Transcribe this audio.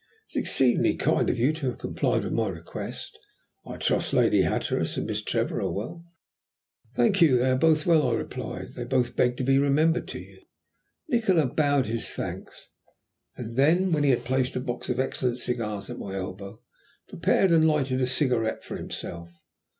"It is exceedingly kind of you to have complied with my request. I trust Lady Hatteras and Miss Trevor are well?" "Thank you, they are both well," I replied. "They both begged to be remembered to you." Nikola bowed his thanks, and then, when he had placed a box of excellent cigars at my elbow, prepared and lighted a cigarette for himself.